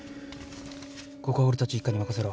ここは俺たち一課に任せろ。